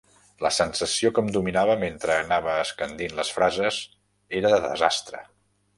La sensació que em dominava mentre anava escandint les frases era de desastre.